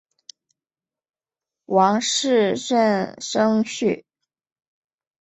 王士禛甥婿。